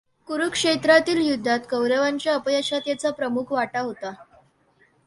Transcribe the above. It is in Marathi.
कुरुक्षेत्रातील युद्धात कौरवांच्या अपयशात याचा प्रमुख वाटा होता.